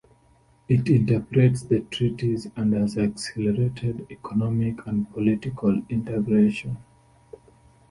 It interprets the treaties, and has accelerated economic and political integration.